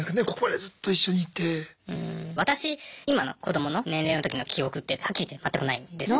私今の子どもの年齢のときの記憶ってはっきり言って全くないんですよ。